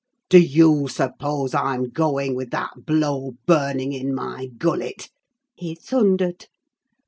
"Do you suppose I'm going with that blow burning in my gullet?" he thundered.